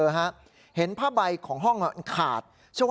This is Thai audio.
เห็นผ้าใบของห้องขาด